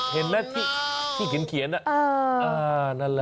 เห็นไหมที่ขีดเขียนน่ะ